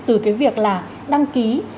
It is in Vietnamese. từ cái việc là đăng ký